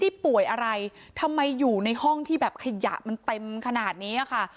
ป่วยอะไรทำไมอยู่ในห้องที่แบบขยะมันเต็มขนาดนี้ค่ะ